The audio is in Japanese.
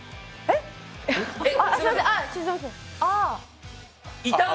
すみません。